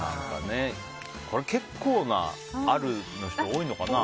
結構な、あるの人多いのかな。